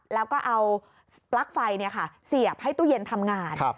แล้วก็เอาปลั๊กไฟเสียบให้ตู้เย็นทำงาน